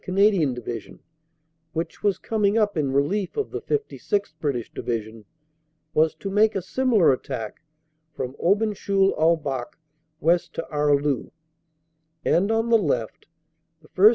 Canadian Division, which was coming up in relief of the 56th. British Division, was to make a similar attack from Aubencheul au Bac west to Arleux; and on the left, the 1st.